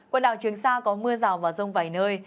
quần đảo trường sa có mưa rào và rông vài nơi